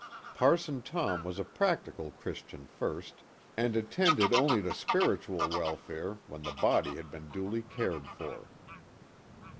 Parson Tom was a practical Christian first, and attended only to spiritual welfare when the body had been duly cared for.